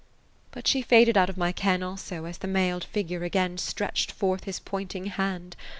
" But she faded out of my ken, also, as the mailed figure again stretched forth his pointing hand.